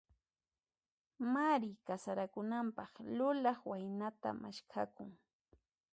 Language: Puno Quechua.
Mari kasarakunanpaq, lulaq waynata maskhakun.